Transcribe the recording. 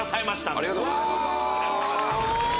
ありがとうございますすごい！